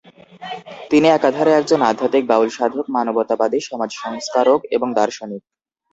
তিনি একাধারে একজন আধ্যাত্মিক বাউল সাধক, মানবতাবাদী, সমাজ সংস্কারক এবং দার্শনিক।